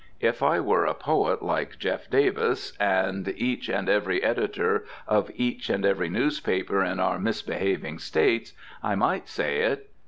If I were a poet, like Jeff. Davis and each and every editor of each and every newspaper in our misbehaving States, I might say it.